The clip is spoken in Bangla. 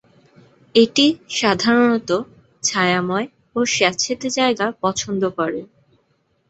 এটি সাধারণত ছায়াময় ও স্যাঁতসেঁতে জায়গা পছন্দ করে।